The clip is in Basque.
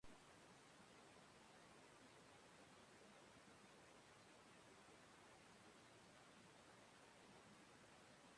Nazioartean Errusiak bakarrik errekonozitu zuen herrialdearen estatusa.